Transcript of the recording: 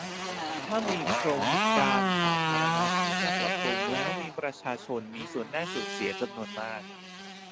ถ้ามีโครงการสาธารณะที่จะปรับปรุงแล้วมีประชาชนมีส่วนได้ส่วนเสียจำนวนมาก